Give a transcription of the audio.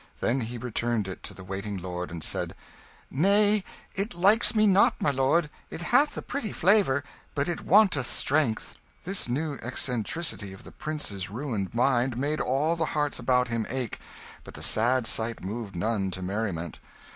Then he returned it to the waiting lord, and said "Nay, it likes me not, my lord: it hath a pretty flavour, but it wanteth strength." This new eccentricity of the prince's ruined mind made all the hearts about him ache; but the sad sight moved none to merriment.